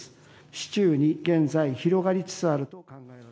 市中に現在、広がりつつあると。